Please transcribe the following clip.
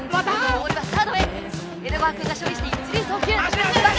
ボールはサードへ江戸川くんが処理して一塁送球走れ走れ！